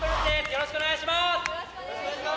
よろしくお願いします。